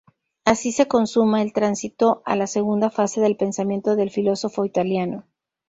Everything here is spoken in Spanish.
Así se consuma el tránsito a la segunda fase del pensamiento del filósofo italiano.